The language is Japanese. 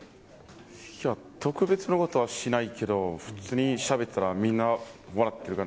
特別なことはしないけれど、普通に喋ってたら、みんな笑ってる感じ。